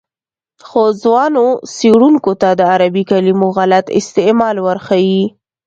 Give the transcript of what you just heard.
خو ځوانو څېړونکو ته د عربي کلمو غلط استعمال ورښيي.